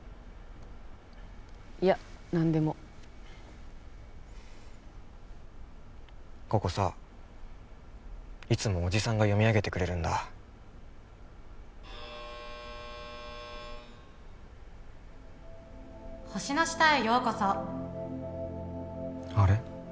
いや何でもここさいつもおじさんが読み上げてくれるんだ星の下へようこそあれ？